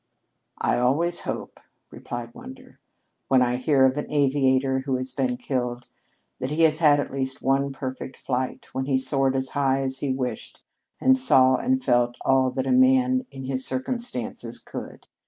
"I always hope," replied Wander, "when I hear of an aviator who has been killed, that he has had at least one perfect flight, when he soared as high as he wished and saw and felt all that a man in his circumstances could.